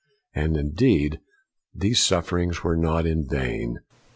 And, indeed, these sufferings were not in vain.